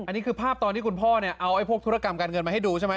อันนี้คือภาพตอนที่คุณพ่อเนี่ยเอาไอ้พวกธุรกรรมการเงินมาให้ดูใช่ไหม